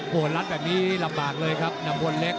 โอ้โหรัดแบบนี้ลำบากเลยครับนำพลเล็ก